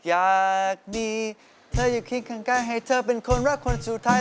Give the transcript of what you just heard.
อยากดีเธออย่าคิดข้างใกล้ให้เธอเป็นคนรักคนสุดท้าย